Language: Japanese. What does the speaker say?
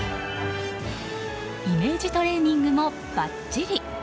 イメージトレーニングもばっちり。